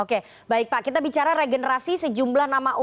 oke baik pak kita bicara regenerasi sejumlah nama